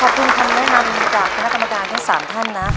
ขอบคุณคำแม่งามจากคณะกรรมการทั้ง๓ท่านนะ